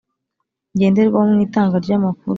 Ngenderwaho mu Itanga ry amakuru